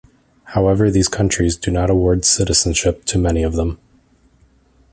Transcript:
However these countries do not accord citizenship to many of them.